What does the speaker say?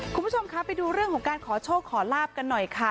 คุณผู้ชมคะไปดูเรื่องของการขอโชคขอลาบกันหน่อยค่ะ